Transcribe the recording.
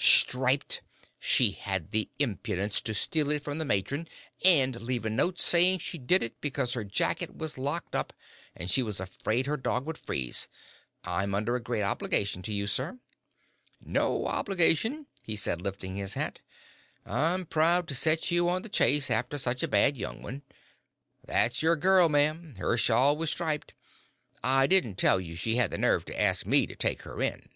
"Striped she had the impudence to steal it from the matron, and leave a note saying she did it because her jacket was locked up, and she was afraid her dog would freeze I'm under a great obligation to you, sir." "No obligation," he said, lifting his hat. "I'm proud to set you on the chase after such a bad young one. That's your girl, ma'am. Her shawl was striped. I didn't tell you she had the nerve to ask me to take her in."